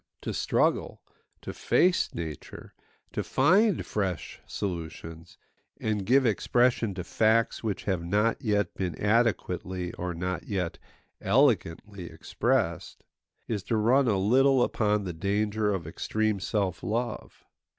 To struggle, to face nature, to find fresh solutions, and give expression to facts which have not yet been adequately or not yet elegantly expressed, is to run a little upon the danger of extreme self love.